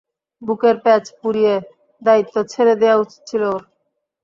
বুকের প্যাচ পুড়িয়ে দায়িত্ব ছেড়ে দেয়া উচিত ছিল ওর।